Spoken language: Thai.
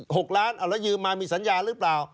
หกล้านเอาแล้วยืมมามีสัญญาหรือเปล่า